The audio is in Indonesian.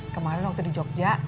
kemarin waktu di jogja